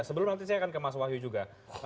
sebelum nanti saya akan ke mas wahyu juga